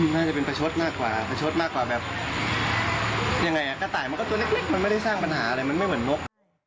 มันไม่เหมือนนก